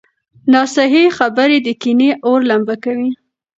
ناصحيح خبرې د کینې اور لمبه کوي.